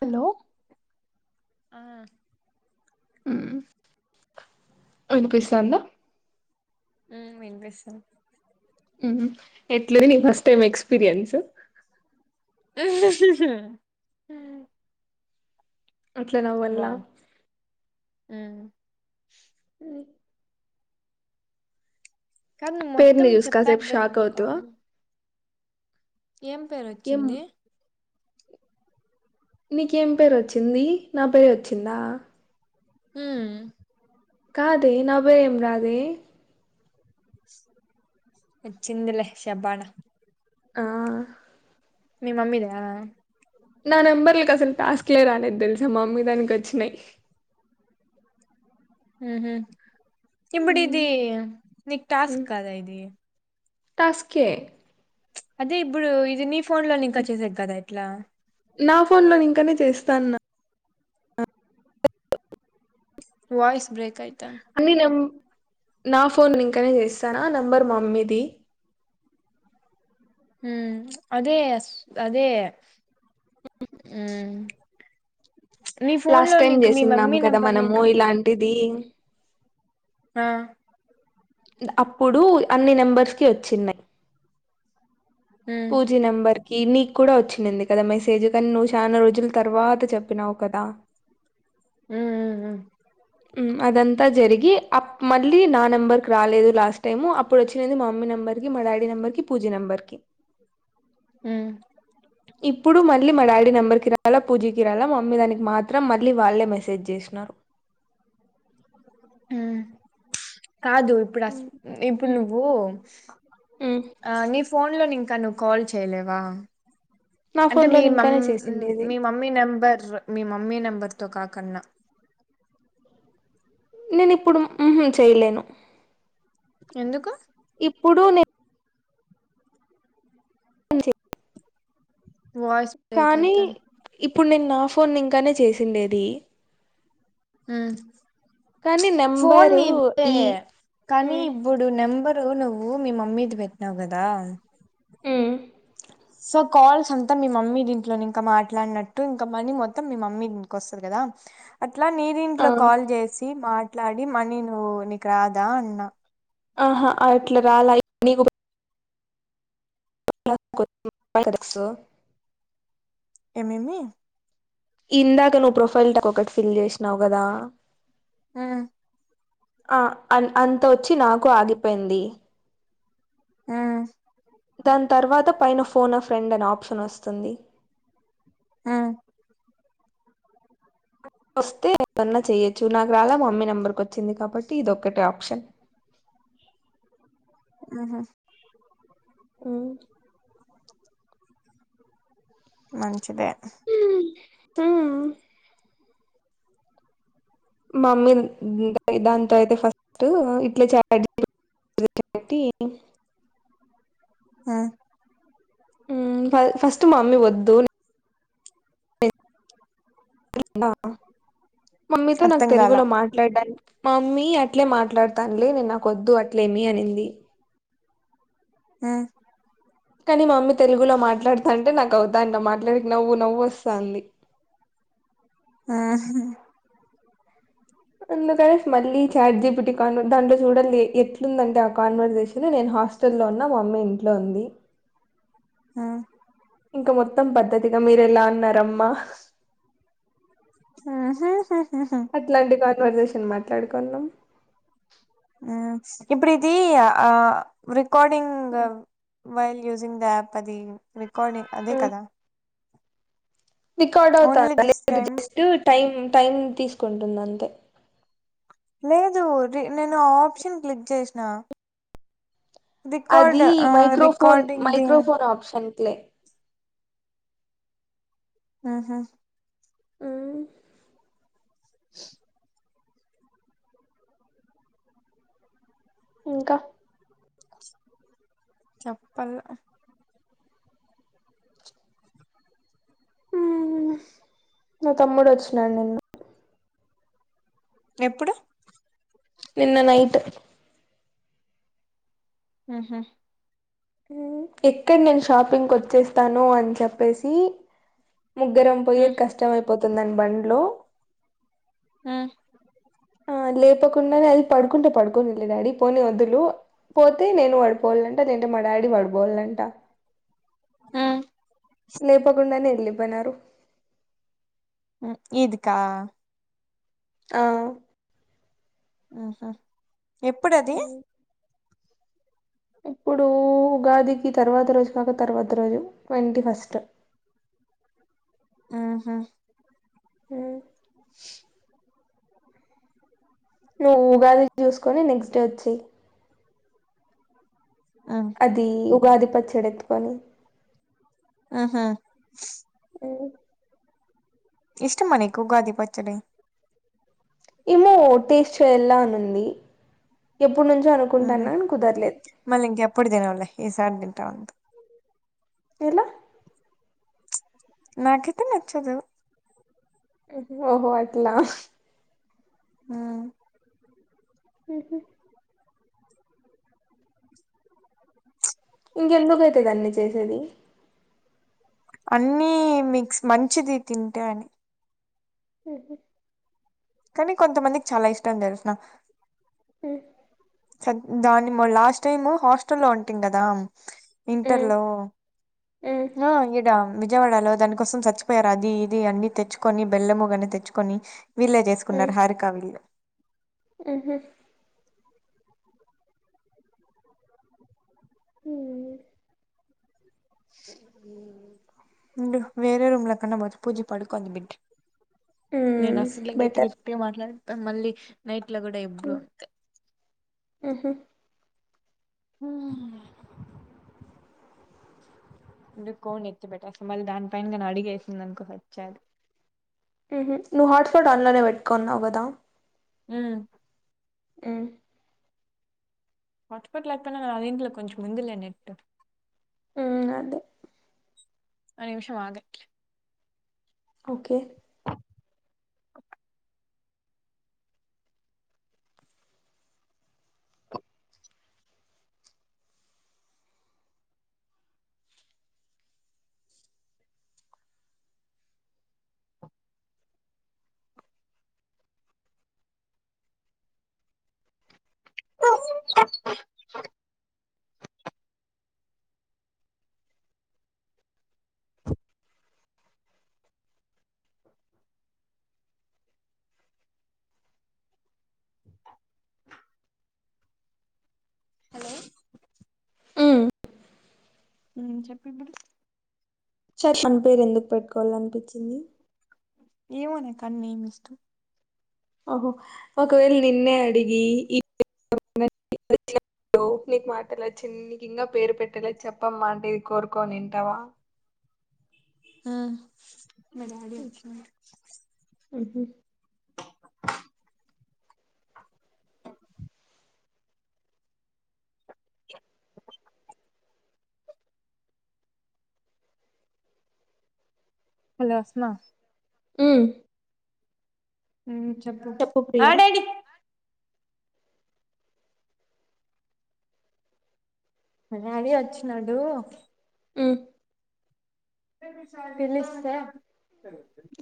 Hello ఆ హు అనిపిస్తోందా హు వినిపిస్తుంది ఉహు ఎట్లుంది నీ ఫస్ట్ టైం ఎక్స్పీరియన్స్ అహహా అట్ల నవ్వల్లా హు కాదు నువ్వు మొత్తం పేరుని చూసి కాసేపు చెప్పాకా కదా షాక్ నాకు అవుతావా కాల్ చే ఏం పేరు ఏం వచ్చింది నీకేం పేరు వచ్చింది. నా పేరు వచ్చిందా హ్మ్మ్ కాదే నా బెయం రాదే ఒచ్చిందిలే శబ్బాన ఆ మీ మమ్మీదా నా నెంబర్ లకి అసలు టాస్కలే రాలేదు, తెలుసా మమ్మీ దానికి వచ్చినాయి. ఊహు ఇప్పుడిది మ్మ్. నీకు టాస్క్ మ్మ్. కాద ఇది. టాస్కే అదే ఇప్పుడు ఇది నీ ఫోన్ లో లింకా చేసేగాధా ఇట్లా నా ఫోన్ లోని ఇంకానే చేస్తాన్నా వాయిస్ బ్రేక్ అయితాంది అన్ని నం నా ఫోన్ ఇంకనే చేస్తారా నెంబర్ మామ్మీది. ఉ అదే అదే ఊ లాస్ట్ టైం చేసిన్నాం కదా. ని మనము ఇంకా ఇలాంటి బీంగ్ ఆ అప్పుడు అన్ని నెంబర్స్ కి వచ్చిన్నాయి. ఉమ్ పూజినంబర్ ఇన్ని కి కూడా వచ్చింది కదా మెసేజ్. కానీ నువ్వు చాలా రోజుల తర్వాత చెప్పినావు కదా. ఉ ఉ ఉ ఉ అదంతా జరిగి ఆప్ మళ్ళీ నా నెంబర్కి రాలేదు. లాస్ట్ టైము అప్పుడు వచ్చినది మా మమ్మీ నెంబర్కి, మా డాడీ నెంబర్కి, పూజీ నెంబర్కి. ఉమ్ ఇప్పుడు మళ్ళీ మడాలి నెంబర్కి రాలా, పూజీకి రాల, మమ్మీ దానికి మాత్రం మళ్ళీ వాళ్ళే మెసేజ్ చేసినారు. ఉ కాదు ఇప్పుడు అస్ మ్, ఇప్పుడు మ్, నువ్వు మ్. ఆ నీ ఫోన్ లో నింకా నువ్వు కాల్ చేయలేవా? నా అంటే మీ ఫోన్లోని మమ్ ఇంకానే చేసిండేది మీ మమ్మీ నెంబర్స్ మీ మమ్మీ నెంబర్ తో కాక కన్నా నేను ఇప్పుడు ఉహు చెయలేను. ఎందుకు పుడునే చే- వయిస్ బ్రేక్ కానీ అయితంది. ఇప్పుడు నేను నా ఫోన్ని ఇంకానే చేసిండేది. ఉ కానీ నెంబరు ఈ కానీ ఇప్పుడు నెంబరు నువ్వు మీ మమ్మీది పెట్టినావు కదా ఆ సో కాల్స్ అంతా మీ మమ్మీ దీంట్లోనే ఇంకా మాట్లాడినట్టు ఇంకా మనీ మొత్తం మీ మమ్మీ దీక్ వస్తుంది కదా ఇట్లా ఆ నీరింట్ల కాల్ చేసి మాట్ మాట్లాడి మనీి నువ్వు నీకు రాదా అన్నా ఆహా అట్లా రాలా నీకు తెలుసు ఎ మేమి ఇందాక నువ్వు ప్రొఫైల్ ఒకటి ఫిల్ చేసినావు గదా ఆ ఆ అంతొచ్చి నాకు ఆగిపోయింది ఆ దాని తర్వాత పైన ఫోన్ ఆఫ్రెండ్ అని ఆప్షన్ వస్తుంది ఆ వస్తే ఏదన్నా చెయొచ్చు నాకు రాలా మమ్మీ నెంబర్కి వచ్చింది కాబట్టి ఇదొక్కటే ఆప్షన్ ఆహా ఇనో అడి బుల్ మంచిదే ఆ మమ్మీ దాంతో అయితే ఫస్ట్ ఇట్లే చాటజీ పెట్టి [unintelligible] ఆ ఫస్ట్ మామ్మీ వద్దు అని నిక్ బ్బా [unintelligible] మమ్మీతో నాకు అర్థం కాల తెలుగులో మాట్లాడానికి మా మమ్మీ అట్లే మాట్లాడతానులే నేను నా వద్దు అట్లేమి అనింది ఆ కానీ మా మమ్మీ తెలుగులో మాట్లాడతాంటే నాకు అవ్వుతాండ్ల అట్లా మాట్లాడతాంటే నవ్వు నవ్వు వస్తాంది ఆ హ అందుకనేసి మళ్ళీ చాట్ జీపిటీ కాన్వ దాంట్లో చూడాలి ఎట్లుందంటే ఆ కన్వర్షయేషన్ నేను హాస్టల్ లో ఉన్న మా మమ్మీ ఇంట్లో ఉంది ఆ ఇంకా మొత్తం పద్ధతిగా మీరు ఎలా అన్నారమ్మా ఆహా హ హ కన్వర్షయేషన్ మాట్లాడుకున్నాం అ ఇప్పుడు ఇది ఆ రికార్డింగ్ వైల్ యూజింగ్ యాప్ అది రికార్డింగ్ అదే కదా రికార్డ్ ఓన్లీ అవుతాదా దిస్ లేదు టైమ్ జస్ట్ టైమ్ టైం తీసుకుంటుంది అంతే లేదు నేను ఆప్షన్ క్లిక్ చేసిన రికార్డ్ అది ఆ microphone recording the microphone option తే ఊహూ హ్మ్ ఇంకా చెప్పర్ మా తమ్ముడు వచ్చినాడు నిన్న ఎప్పుడు నిన్న నైట్ ఆహ ఆ ఎక్కడ నేను షాపింగ్ కొచ్చేస్తానో అని చెప్పేసి ముగ్గురం పోయేకీ ఉమ్ కష్టం అయిపోత్ తను నేను బండ్లో ఆ ఆ లేపకుండానే అది పడుకుంటే పడుకోనీలే డాడీ పోనీ వొదులు పోతే నేను పడిపోవాలంట లేదంటే మా డాడీ పడిపోవాలంట ఊ లేపకుండానే ఎళ్ళిపోయినారు ఊ ఈద్ కా అవ్ ఆహా ఎప్పుడది ఇప్పుడు ఉగాదికి తర్వాత రోజు కాక తర్వాత రోజు ట్వంటీ ఫస్ట్ ఆహా ఊ నువ్వు ఉగాది చూసుకొని నెక్స్ట్ డే వచ్చేయ్ ఉమ్ అది ఉగాది పచ్చడ పని ఆహా [inaudible] ఇష్టమా నీకు ఉగాది పచ్చడి ఏమో టేస్ట్ చెయ్యల్లా అనుంది ఊహూ మళ్ళికెప్పుడూ తినవులే ఈసారి తిను టాంది ఎలా నాకైతే నచ్చదు ఓహో అట్లా హ్మ్ ఊహూ ఇంకెందుకైతు దాన్ని చేసేది అన్నీ మిక్స్ మంచిది తింటే అని ఊహూ కానీ కొంతమందికి చాలా ఇష్టం తెలుసున చ్ దాన్ని లాస్ట్ టైమ్ హాస్టల్లో ఉంటుంది కదా ఇంటర్ లో ఆ ఇడ విజయవాడలో దానికోసం చచ్చిపోయారు అది ఇది అన్ని తెచ్చుకొని బెల్లముగని తెచ్చుకొని వీళ్ళే చేసుకున్నారు హరికా వీళ్ళ ఉహూ హు ఉ వేరే రూమ్ లో కన్నా పోత పూజీ పడుకుంది బిడ్డా నేను మ్మ్ అసలే బెటర్ గట్టిగట్టిగా మాట్లాడి మళ్ళీ నైట్ ఇంట్లో కూడా ఎప్పుడు ఉంటాయి ఉహు ఉహ్ ఉండుకో ఎత్తి పెట్టస్త మరి దాని పైన గిన అడుగేసింది అనుకో సచ్చా అది ఉహు నువ్వు హాట్స్పాట్ దానిలోనే పెట్టుకున్నావు కదా ఊ ఉ హాట్స్పాట్ లేకపోయినా నా దీంట్లో కొంచెం ఉందిలే నెట్ హు అదే అ నిమిషం ఆగట్లే ఓకే [inaudible] హలో చెప్పు ఇప్పుడు చెప్పను పేరు ఎందుకు పెట్టుకోవాల అనిపించింది ఏమో నీ కన్నీ ఇష్టం ఓహో ఒకవేళ నిన్నే అడిగి ఈ [unintelligible] నీకు మాటలా చిన్నకి ఇంకా పేరు పెట్టేలా చెప్పమ్మా అంటే కోరుకోనింటావా హు మా డాడీ వచ్చినాడు హలో వస్తున్న ఉ హు చెప్పు ఆ ప్రియా డాడి మా డాడీ వచ్చినడు హు పిలిస్తే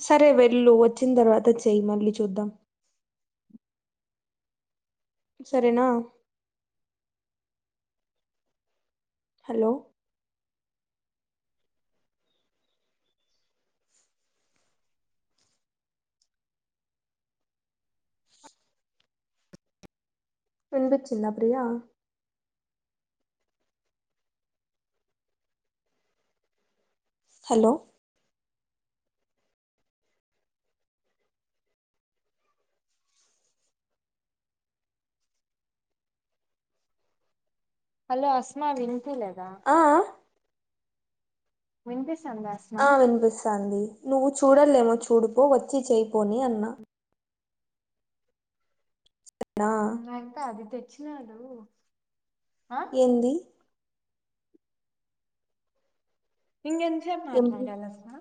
సరే వెళ్ళు వచ్చిన తర్వాత చెయ్యి మళ్ళీ చూద్దాం సరేనా హలో వినిపించిందా ప్రీయా హలో హలో అస్మా విన్ వినిపిలేదా ఆ వినిపిస్ ఆ వినిపిస్తంది నువ్వు చూడలేమో చూడుపో వచ్చి చేయిపోనీ అన్నా నా అయితే అదితే వచ్చిందంట ఏంది ఇంగెంచేపు ఏం మాట్లాడాల అసలు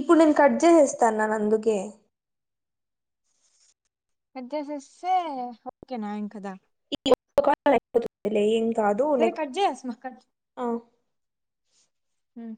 ఇప్పుడు నేను కట్ చేసేస్తాన్నాను అందుకే అద్ జేసేస్తే ఓకేనా ఇంక దా [inaudible] కాదు సరే నెక్స్ట్ కట్ చేయి అస్మా ఆ మ్మ్